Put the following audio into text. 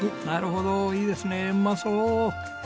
なるほどいいですねうまそう！